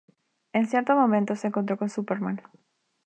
En cierto momento, se encontró con Superman.